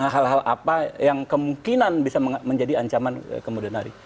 hal hal apa yang kemungkinan bisa menjadi ancaman kemudian hari